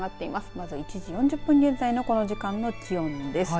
まず１時４０分現在のこの時間の気温です。